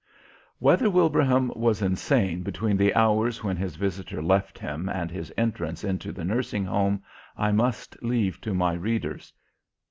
Whether Wilbraham was insane between the hours when his visitor left him and his entrance into the nursing home I must leave to my readers.